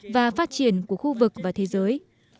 và phát triển của khu vực và thế giới